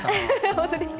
本当ですか？